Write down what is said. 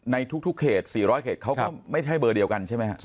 ในทุกเขต๔๐๐เขตเขาก็ไม่ใช่เบอร์เดียวกันใช่ไหมครับ